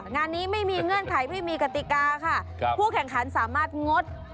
งานนี้ไม่มีเงื่อนไขไม่มีกติกาค่ะผู้แข่งขันสามารถงด